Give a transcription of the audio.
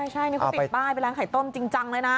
ใช่นี่เขาติดป้ายไปร้านไข่ต้มจริงจังเลยนะ